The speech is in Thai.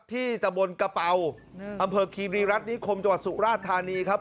ที่ตะบนกระเป๋าอำเภอคีรีรัฐนิคมจสุราธารณีครับ